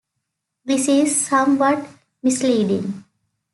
This is somewhat misleading.